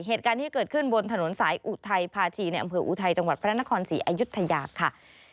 เหตุการณ์ที่เกิดขึ้นบนถนนสายอุทัยภาชีในอำเภออุทัยจังหวัดพระนครศรีอายุทยาค่ะ